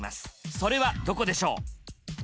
それはどこでしょう？